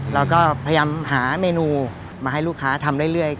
เราก็พยายามหาเมนูมาให้ลูกค้าทำเรื่อย